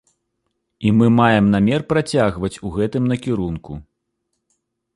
І мы маем намер працягваць у гэтым накірунку.